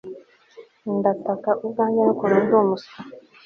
ndataka ubwanjye n ukuntu ndi umuswa